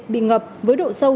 bị ngập với độ sâu